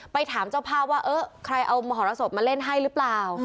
ถามเจ้าภาพว่าเออใครเอามหรสบมาเล่นให้หรือเปล่า